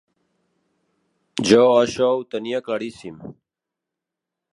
Jo això ho tenia claríssim.